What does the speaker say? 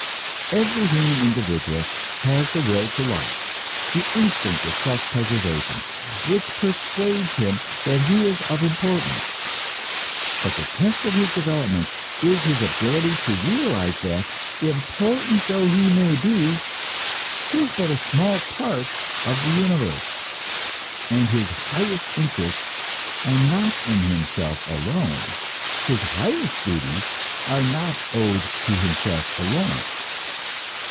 Every human individual has the will to life, the instinct of self preservation, which persuades him that he is of importance; but the test of his development is his ability to realize that, important though he may be, he is but a small part of the universe, and his highest interests are not in himself alone, his highest duties are not owed to himself alone.